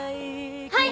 はい！